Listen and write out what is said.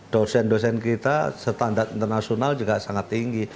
dosen dosen kita standar internasional juga sangat tinggi